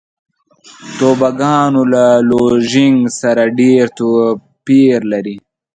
توبوګان له لوژینګ سره ډېر توپیر لري.